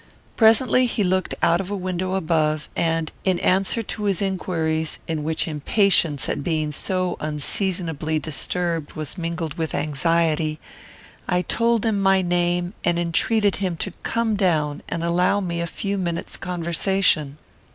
Presently he looked out of a window above, and, in answer to his inquiries, in which impatience at being so unseasonably disturbed was mingled with anxiety, I told him my name, and entreated him to come down and allow me a few minutes' conversation.